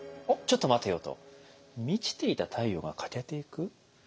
ちょっと待てよと満ちていた太陽が欠けていく？